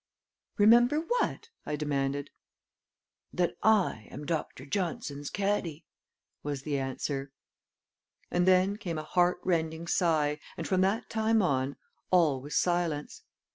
"Remember what?" I demanded. "That I am Dr. Johnson's caddy!" was the answer. And then came a heart rending sigh, and from that time on all was silence.